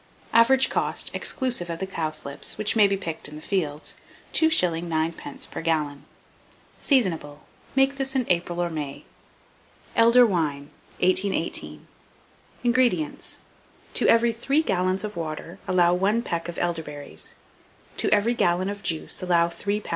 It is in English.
Average cost, exclusive of the cowslips, which may be picked in the fields, 2s. 9d. per gallon. Seasonable. Make this in April or May. ELDER WINE. 1818. INGREDIENTS. To every 3 gallons of water allow 1 peck of elderberries; to every gallon of juice allow 3 lbs.